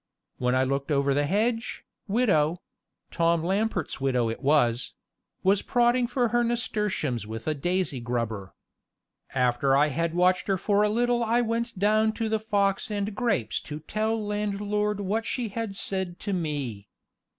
When I looked over the hedge, widow Tom Lamport's widow that was was prodding for her nasturtiums with a daisy grubber. After I had watched her for a little I went down to the Fox and Grapes to tell landlord what she had said to me.